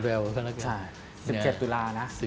๑๗ตุลานะ